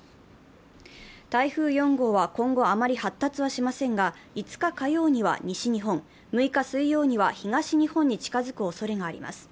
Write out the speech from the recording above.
台風４号は今後あまり発達はしませんが、５日火曜には西日本、６日水曜には東日本に近づくおそれがあります。